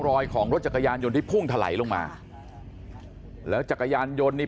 รอยของรถจักรยานยนต์ที่พุ่งถลายลงมาแล้วจักรยานยนต์นี่